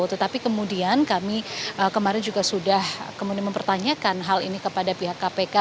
tetapi kemudian kami kemarin juga sudah mempertanyakan hal ini kepada pihak kpk